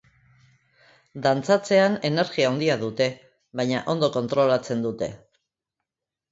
Dantzatzean energia handia dute, baina ondo kontrolatzen dute.